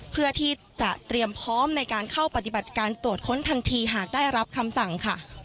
เพื่อที่จะเตรียมพร้อมในการเข้าปฏิบัติการตรวจค้นทันทีหากได้รับคำสั่งค่ะ